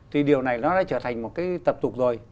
thì điều này nó đã trở thành một cái tập tục rồi